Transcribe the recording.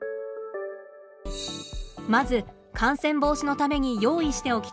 まず感染防止のために用意しておきたいものです。